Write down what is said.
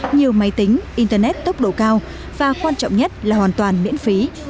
nhiều máy tính internet tốc độ cao và quan trọng nhất là hoàn toàn miễn phí